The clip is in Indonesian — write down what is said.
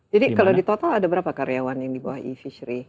jadi kalau di total ada berapa karyawan yang di bawah e fishery